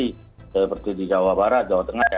seperti di jawa barat jawa tengah ya